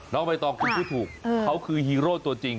น้องใบตองพูดถูกเขาคือฮีโร่ตัวจริง